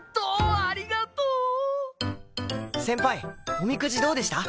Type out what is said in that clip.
おみくじどうでした？